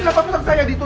kenapa putar saya gitu